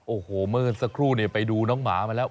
โอ้โหเมื่อสักครู่เนี่ยไปดูน้องหมามาแล้ว